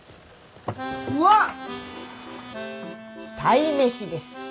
うわっ！鯛めしです。